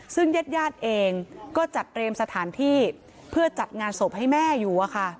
ซึ่งเย็ดย่าดเองก็จัดเตรียมสถานที่เพื่อจัดงานศพให้แม่อยู่อ่ะค่ะ